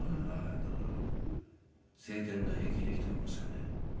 だから青天の霹靂といいますかね。